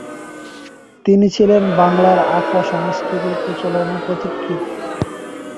তিনি ছিলেন বাংলার আখড়া সংস্কৃতির প্রচলনের পথিকৃৎ।